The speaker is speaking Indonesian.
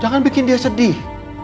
jangan bikin dia sedih